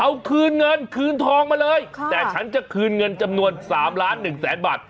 เอาคืนเงินคืนทองมาเลยแต่ฉันจะคืนเงินจำนวน๓ล้านหนึ่งแสนบาท